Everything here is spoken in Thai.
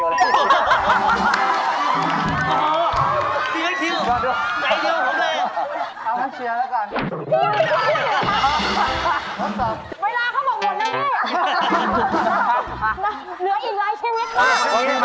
เหนืออินไลน์ชีวิตมาก